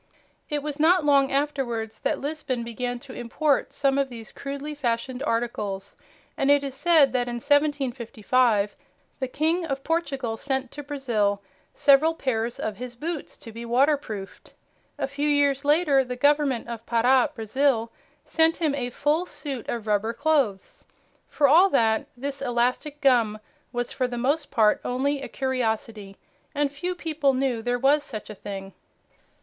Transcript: It was not long afterwards that Lisbon began to import some of these crudely fashioned articles, and it is said that in 1755 the King of Portugal sent to Brazil several pairs of his boots to be waterproofed. A few years later the Government of Para, Brazil, sent him a full suit of rubber clothes. For all that, this elastic gum was for the most part only a curiosity, and few people knew there was such a thing.